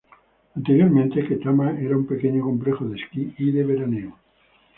Anteriormente, Ketama era un pequeño complejo de esquí y de veraneo.